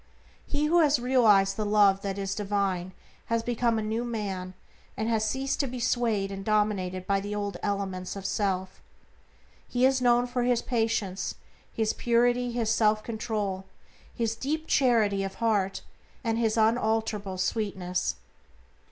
He who has realized the Love that is divine has become a new man, and has ceased to be swayed and dominated by the old elements of self. He is known for his patience, his purity, his self control, his deep charity of heart, and his unalterable sweetness.